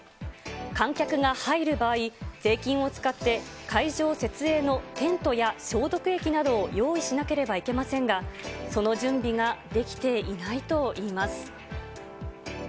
観客が入る場合、税金を使って会場設営のテントや消毒液などを用意しなければいけませんが、その準備ができていないといいます。